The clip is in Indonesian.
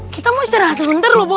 kita mau istirahat sebentar loh bu